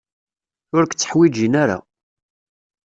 Ur k-tteḥwijin ara.